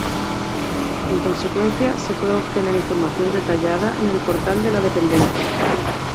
En consecuencia, se puede obtener información detallada en el Portal de la Dependencia.